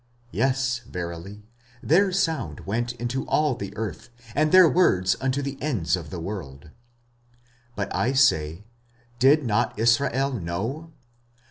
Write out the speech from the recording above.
Yes verily, their sound went into all the earth, and their words unto the ends of the world. 45:010:019 But I say, Did not Israel know?